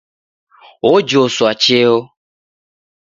Ojoswa cheo